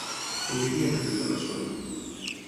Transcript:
Com li deien a aquesta persona?